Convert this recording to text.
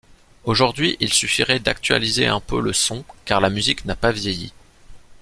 Aujourd'hui, il suffirait d'actualiser un peu le son car la musique n'a pas vieilli.